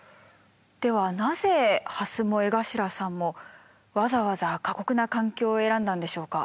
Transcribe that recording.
ではなぜハスも江頭さんもわざわざ過酷な環境を選んだんでしょうか？